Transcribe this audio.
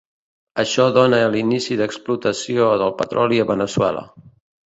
Això dóna l'inici d'explotació del petroli a Veneçuela.